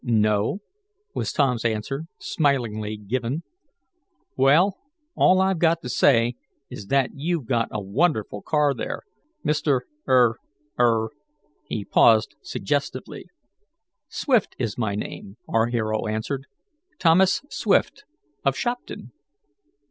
"No," was Tom's answer, smilingly given. "Well, all I've got to say is that you've got a wonderful car there, Mr. er er " He paused suggestively. "Swift is my name," our hero answered. "Thomas Swift, of Shopton."